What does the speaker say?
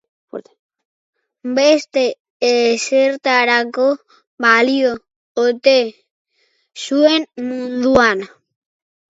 Beste ezertarako balio ote zuen munduan?